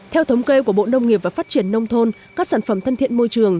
theo thống kê của bộ nông nghiệp và phát triển nông thôn các sản phẩm thân thiện môi trường